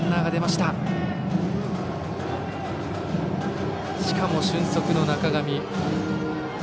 しかも、俊足の中上。